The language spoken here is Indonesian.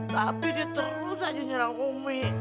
tapi dia terus aja nyerang umi